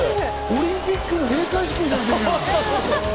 オリンピックの閉会式みたいになってる。